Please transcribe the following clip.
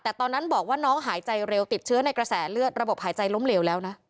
แต่ตอนนั้นบอกว่าน้องหายใจเร็วติดเชื้อในกระแสเลือดระบบหายใจล้มเหลวแล้วนะ